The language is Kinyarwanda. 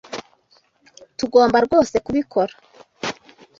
Tugomba rwose kubikora.